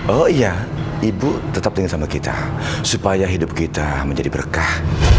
oh iya ibu tetap ingin sama kita supaya hidup kita menjadi berkah